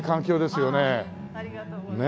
ありがとうございます。